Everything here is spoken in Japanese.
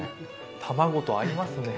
卵と合いますね。